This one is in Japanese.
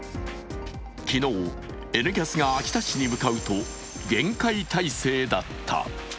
昨日、「Ｎキャス」が秋田市に向かうと厳戒態勢だった。